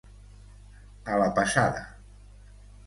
A la pesada.